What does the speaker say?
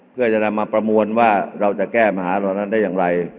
เพื่อจะนำมาประมวลว่าเราจะแก้ปัญหาเหล่านั้นได้อย่างไร